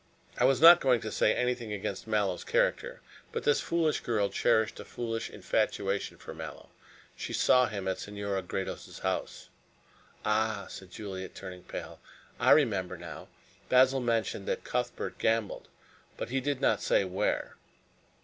"I was not going to say anything against Mallow's character. But this foolish girl cherished a foolish infatuation for Mallow. She saw him at Senora Gredos' house " "Ah!" said Juliet, turning pale. "I remember now. Basil mentioned that Cuthbert gambled, but he did not say where."